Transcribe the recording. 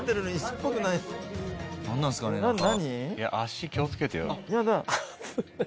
いや足気をつけてよ。